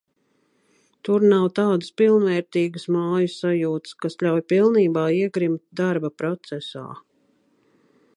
Tur nav tādas pilnvērtīgas māju sajūtas, kas ļauj pilnībā iegrimt darba procesā.